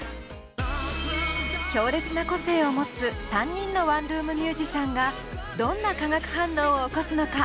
強烈な個性を持つ３人のワンルームミュージシャンがどんな化学反応を起こすのか？